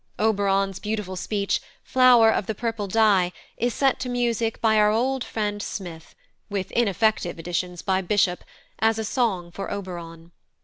Oberon's beautiful speech, "Flower of the purple dye," is set to music by our old friend Smith, with ineffective additions by Bishop, as a song for Oberon.